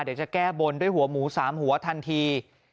เดี๋ยวจะแก้บนด้วยหัวหมู๓หัวทันที